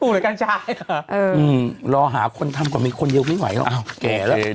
ปลูกกันชายค่ะอืมรอหาคนทำกว่ามีคนเดียวก็ไม่ไหวหรอกแก่แล้ว